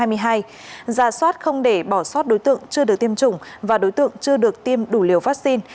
ra soát không để bỏ sót đối tượng chưa được tiêm chủng và đối tượng chưa được tiêm đủ liều vaccine